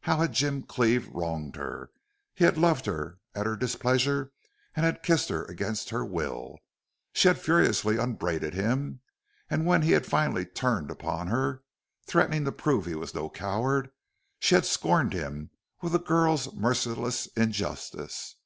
How had Jim Cleve wronged her? He had loved her at her displeasure and had kissed her against her will. She had furiously upbraided him, and when he had finally turned upon her, threatening to prove he was no coward, she had scorned him with a girl's merciless injustice.